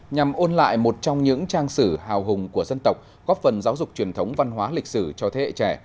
nhằm ôn lại một trong những trang sử hào hùng của dân tộc góp phần giáo dục truyền thống văn hóa lịch sử cho thế hệ trẻ